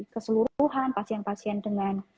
keseluruhan pasien pasien dengan